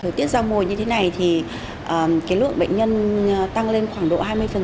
thời tiết giao mùi như thế này thì cái lượng bệnh nhân tăng lên khoảng độ hai mươi